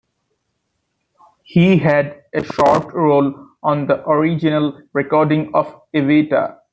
He had a short role on the original recording of "Evita".